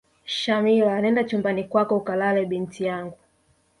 shamila nenda chumbani kwako ukalale binti yangu